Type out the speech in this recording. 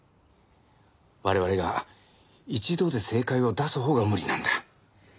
我々が一度で正解を出すほうが無理なんだ。